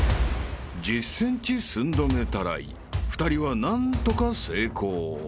［１０ｃｍ寸止めタライ２人は何とか成功］